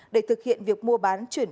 để thực hiện việc mua bán chuyển bán